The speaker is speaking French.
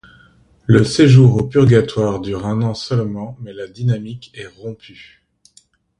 Le séjour au purgatoire dure un an seulement mais la dynamique est rompue.